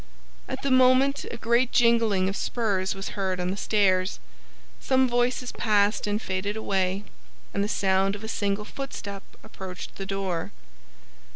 At the moment a great jingling of spurs was heard on the stairs. Some voices passed and faded away, and the sound of a single footstep approached the door.